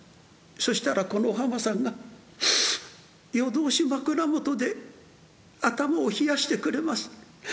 そしたらこのお浜さんが夜通し枕元で頭を冷やしてくれます。